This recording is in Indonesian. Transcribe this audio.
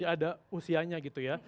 jadi ada usianya gitu ya